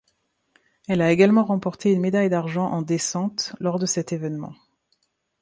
Elle a également remporté une médaille d'argent en descente lors de cet événement.